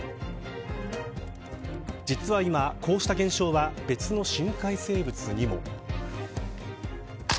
実は今、こうした現象は別の深海生物にも。